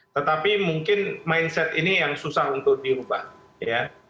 tetapi mungkin mindset ini yang susah untuk dirubah ya